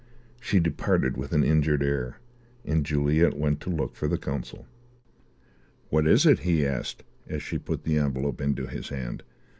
She departed with an injured air, and Juliet went to look for the consul. "What is it?" he asked, as she put the envelope into his hand.